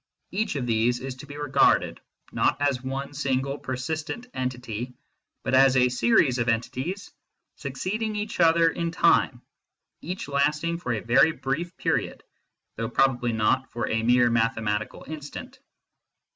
Each of these is to be regarded, not as one single persistent entity, but as a series of entities succeeding each other in time, each lasting for a very brief period, though probably not for a mere mathe matical instant.